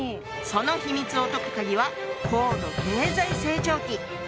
その秘密を解く鍵は高度経済成長期。